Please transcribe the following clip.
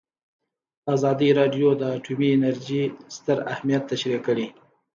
ازادي راډیو د اټومي انرژي ستر اهميت تشریح کړی.